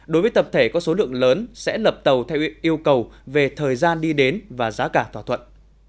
đối với tập thể có số lượng lớn sẽ lập tàu theo yêu cầu về thời gian đi đến và giá cả thỏa thuận